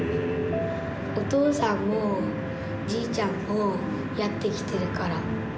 お父さんもじいちゃんもやってきてるから。